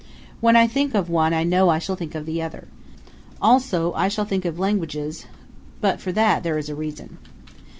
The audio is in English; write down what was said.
When I think of one I know I shall think of the other. Also I shall think of languages; but for that there is a reason.